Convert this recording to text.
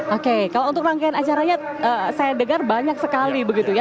oke kalau untuk rangkaian acaranya saya dengar banyak sekali begitu ya